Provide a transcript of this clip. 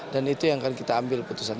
dan itu yang akan kita ambil keputusan